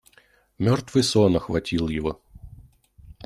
Мертвый сон охватил его.